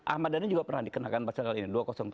ahmad dhani juga pernah dikenakan pasal ini dua ratus tujuh